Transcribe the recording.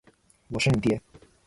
我是你爹！